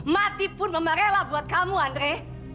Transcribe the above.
mati pun mama rela buat kamu andre